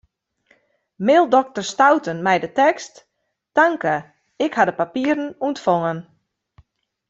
Mail dokter Stouten mei de tekst: Tanke, ik ha de papieren ûntfongen.